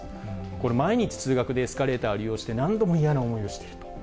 これ、毎日通学でエスカレーターを利用して、何度も嫌な思いをしている。